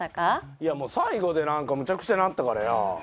いやもう最後で何かむちゃくちゃなったからや。